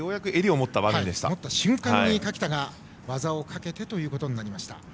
持った瞬間に垣田が技をかけということになりました。